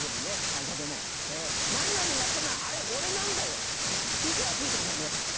会社でも何々やったのアレオレなんだよってウソをついてください皆さん。